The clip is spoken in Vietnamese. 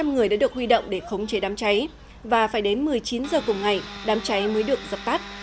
năm trăm linh người đã được huy động để khống chế đám cháy và phải đến một mươi chín h cùng ngày đám cháy mới được dập tắt